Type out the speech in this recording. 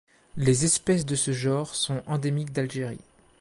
Les espèces de ce genre sont endémiques d'Algérie.